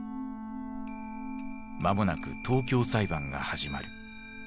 間もなく東京裁判が始まる。